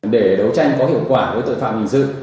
để đấu tranh có hiệu quả với tội phạm hình sự